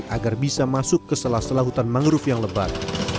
agar bisa masuk ke salah salah hutan mangrove yang lebat